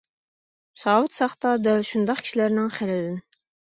ساۋۇت ساختا دەل شۇنداق كىشىلەرنىڭ خىلىدىن.